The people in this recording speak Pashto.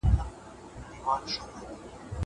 زه اوږده وخت چپنه پاکوم!!